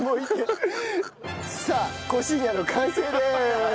さあコシーニャの完成です！